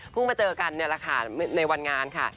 มาเจอกันนี่แหละค่ะในวันงานค่ะ